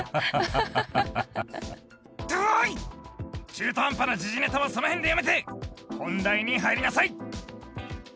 中途半端な時事ネタはその辺でやめて本題に入りなさい。